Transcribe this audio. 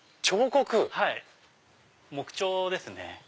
木彫ですね。